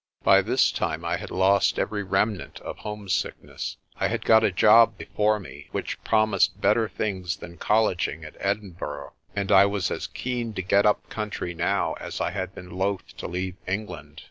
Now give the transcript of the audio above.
By this time I had lost every remnant of homesickness. I had got a job before me which promised better things than colleging at Edinburgh, and I was as keen to get up country now as I had been loth to leave England.